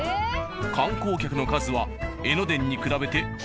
観光客の数は江ノ電に比べて。